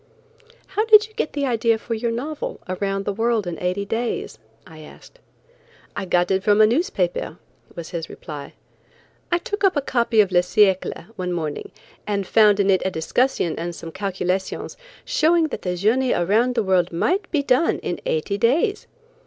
"How did you get the idea for your novel, 'Around the World in Eighty Days?'" I asked. "I got it from a newspaper," was his reply. "I took up a copy of Le Siécle one morning, and found in it a discussion and some calculations showing that the journey around the world might be done in eighty days.